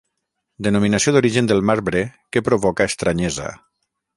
Denominació d'origen del marbre que provoca estranyesa.